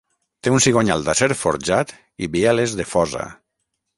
Té un cigonyal d'acer forjat i bieles de fosa.